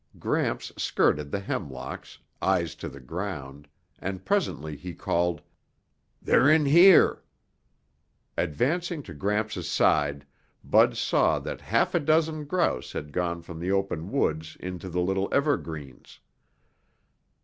Gramps skirted the hemlocks, eyes to the ground, and presently he called, "They're in here." Advancing to Gramps' side, Bud saw that half a dozen grouse had gone from the open woods into the little evergreens.